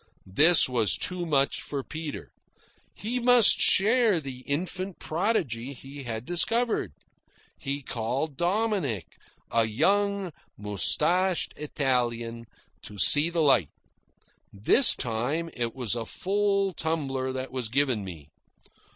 This was too much for Peter. He must share the infant prodigy he had discovered. He called Dominick, a young moustached Italian, to see the sight. This time it was a full tumbler that was given me.